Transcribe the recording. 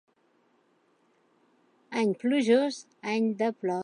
Any plujós, any de plors.